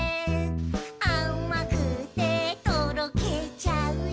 「あまくてとろけちゃうよ」